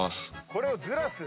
これをずらす。